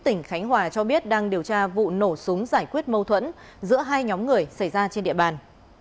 tỉnh khánh hòa cho biết đang điều tra vụ nổ súng giải quyết mâu thuẫn giữa hai nhóm người xảy ra trên địa bàn